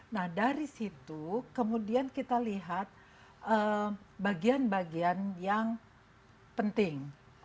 nah dari situ kemudian kita lihat bagian bagian yang penting